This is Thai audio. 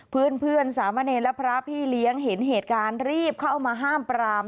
เพื่อนสามะเนรและพระพี่เลี้ยงเห็นเหตุการณ์รีบเข้ามาห้ามปราม